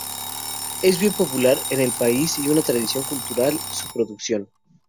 Es bien popular en el país y una tradición cultural su producción.